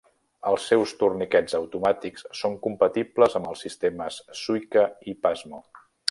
Els seus torniquets automàtics són compatibles amb els sistemes Suica i Pasmo.